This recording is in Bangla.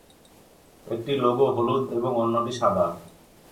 একটি লোগো হলুদ এবং অন্যটি সাদা।